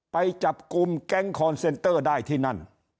ไปจับกลุ่มแก๊งคอนเซนเตอร์ได้ที่นั่น